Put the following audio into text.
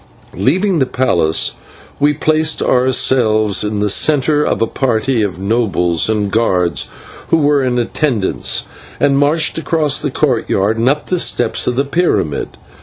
Leaving the palace we placed ourselves in the centre of a party of nobles and guards who were in attendance, and marched across the courtyard and up the steps of the pyramid.